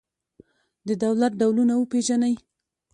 د دولت ډولونه وپېژنئ.